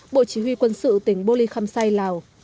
bộ chỉ huy quân sự tỉnh bô li kham sai lào